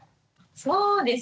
そうですね。